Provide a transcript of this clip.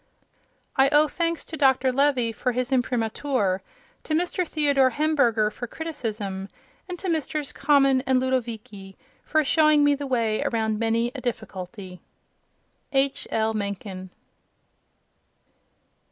I owe thanks to Dr. Levy for his imprimatur, to Mr. Theodor Hemberger for criticism, and to Messrs. Common and Ludovici for showing me the way around many a difficulty. H. L. Mencken.